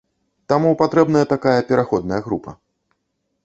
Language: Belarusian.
Таму патрэбная такая пераходная група.